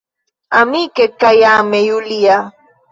Amike kaj ame, Julia.